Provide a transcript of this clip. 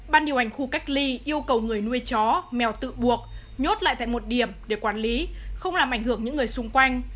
ban điều hành khu cách ly yêu cầu người nuôi chó mèo tự buộc nhốt lại tại một điểm để quản lý không làm ảnh hưởng những người xung quanh